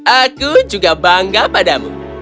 aku juga bangga padamu